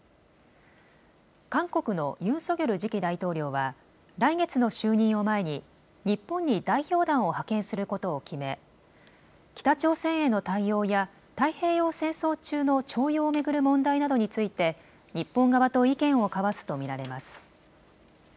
韓国のユン・ソギョル次期大統領は来月の就任を前に日本に代表団を派遣することを決め、北朝鮮への対応や太平洋戦争中の徴用を巡る問題などについて日本側と意見を交わすと見られます。